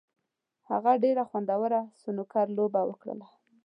هغه ډېره خوندوره سنوکر لوبه وکړله.